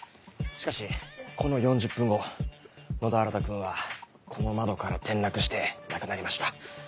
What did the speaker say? しかしこの４０分後野田新君はこの窓から転落して亡くなりました。